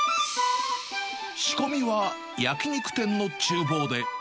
仕込みは焼き肉店のちゅう房で。